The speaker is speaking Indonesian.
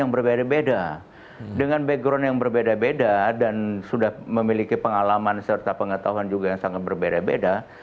yang berbeda beda dengan background yang berbeda beda dan sudah memiliki pengalaman serta pengetahuan juga yang sangat berbeda beda